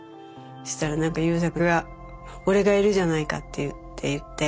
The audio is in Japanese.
そしたら何か優作が俺がいるじゃないかって言っていて。